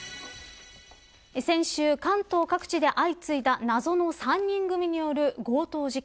先週、関東各地で相次いだ謎の３人組による強盗事件。